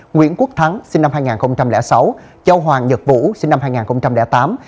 nguyễn quốc thắng sinh năm hai nghìn sáu châu hoàng nhật vũ sinh năm hai nghìn tám